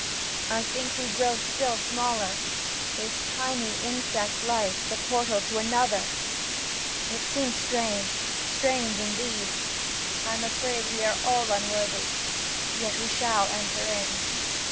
— I think we grow still smaller — this tiny, insect life the portal to another ; it seems strange — strange indeed. I 'm afraid we are all unworthy, yet we shall ' enter in.'